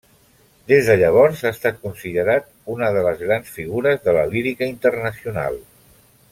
Des de llavors ha estat considerat una de les grans figures de la lírica internacional.